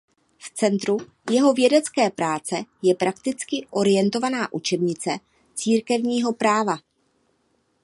V centru jeho vědecké práce je prakticky orientovaná učebnice církevního práva.